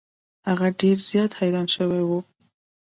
هغه ډیر زیات حیران شوی و.